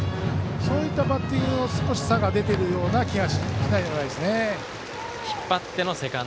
そういったバッティングの差が出ているような気がしないでもないですね。